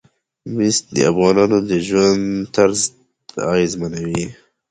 مس د افغانانو د ژوند طرز اغېزمنوي.